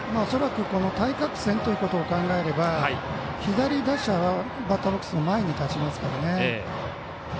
恐らく対角線ということを考えれば左打者はバッターボックスの前に立ちますからね。